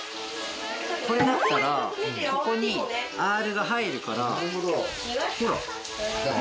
これだったらここにアールが入るからほら。